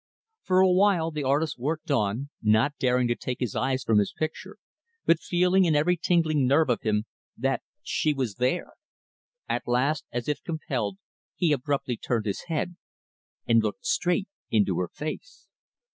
For a while, the artist worked on; not daring to take his eyes from his picture; but feeling, in every tingling nerve of him, that she was there. At last, as if compelled, he abruptly turned his head and looked straight into her face.